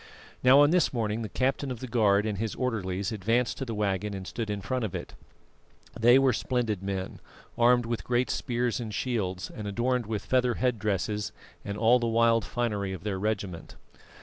Now, on this morning the captain of the guard and his orderlies advanced to the waggon and stood in front of it. They were splendid men, armed with great spears and shields, and adorned with feather head dresses and all the wild finery of their regiment.